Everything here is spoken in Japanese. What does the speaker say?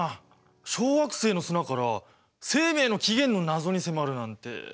小惑星の砂から生命の起源の謎に迫るなんて。